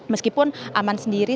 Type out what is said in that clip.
meskipun aman sendiri